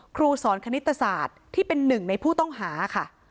ครูสอนคณิตศาสตร์ที่เป็นหนึ่งในผู้ต้องหาค่ะ